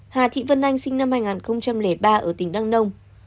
hà thị vân anh sinh năm hai nghìn ba ở tỉnh đăng nông